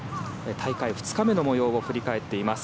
大会２日目の模様を振り返っています。